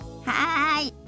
はい！